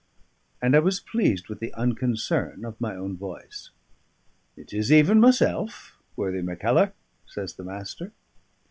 and I was pleased with the unconcern of my own voice. "It is even myself, worthy Mackellar," says the Master.